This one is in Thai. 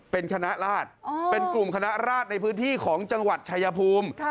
เป็นคณะราชเป็นกลุ่มคณะราชในพื้นที่ของจังหวัดชายภูมิ